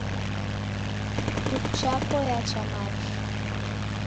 Kifu chapo yacha machi.